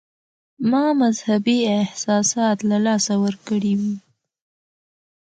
ما مذهبي احساسات له لاسه ورکړي وي.